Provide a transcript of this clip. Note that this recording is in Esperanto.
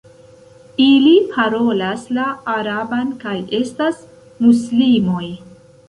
Ili parolas la araban kaj estas muslimoj.